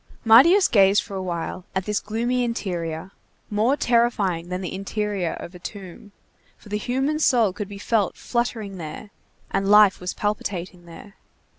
Marius gazed for a while at this gloomy interior, more terrifying than the interior of a tomb, for the human soul could be felt fluttering there, and life was palpitating there.